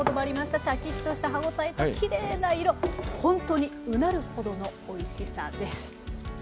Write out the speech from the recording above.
しゃきっとした歯応えときれいな色ほんとにうなるほどのおいしさです。